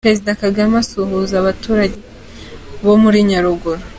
Perezida Kagame asuhuza abaturage bo muri Nyaruguru.